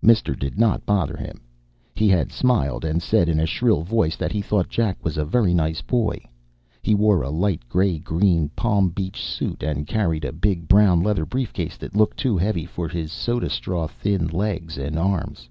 Mister did not bother him. He had smiled and said in a shrill voice that he thought Jack was a very nice boy. He wore a light grey green Palm Beach suit and carried a big brown leather briefcase that looked too heavy for his soda straw thin legs and arms.